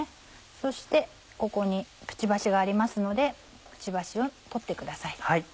そしてここにくちばしがありますのでくちばしを取ってください。